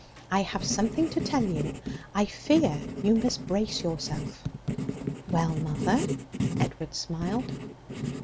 I have something to tell you. I fear you must brace yourself.' 'Well, mother?' Edward smiled.